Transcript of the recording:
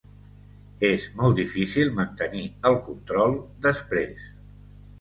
És molt difícil mantenir el control, després.